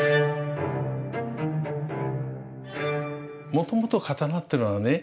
もともと刀ってのはね